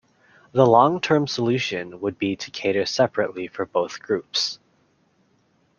The long-term solution would be to cater separately for both groups.